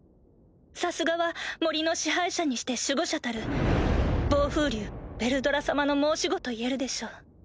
さすがは森の支配者にして守護者たる暴風竜ヴェルドラ様の申し子といえるでしょう。